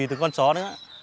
về hàng thứ con chó đấy đó